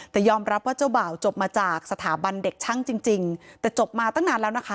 แต่ยอมรับว่าเจ้าบ่าวจบมาจากสถาบันเด็กช่างจริงจริงแต่จบมาตั้งนานแล้วนะคะ